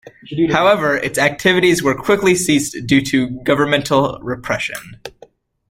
However, its activities were quickly ceased due to governmental repression.